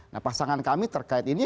nah pasangan kami terkait ini